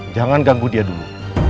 jangan ganggu dia dulu